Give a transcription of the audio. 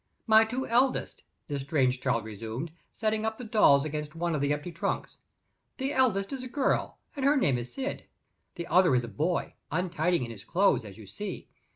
"My two eldest," this strange child resumed, setting up the dolls against one of the empty trunks. "The eldest is a girl, and her name is Syd. The other is a boy, untidy in his clothes, as you see.